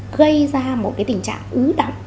gây ra một tình trạng ứ động